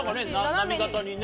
波形にね。